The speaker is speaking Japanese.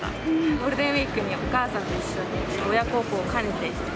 ゴールデンウィークにお母さんと一緒に、親孝行を兼ねて。